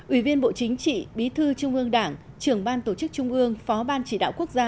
ủy viên bộ chính trị bí thư trung ương đảng trưởng ban tổ chức trung ương phó ban chỉ đạo quốc gia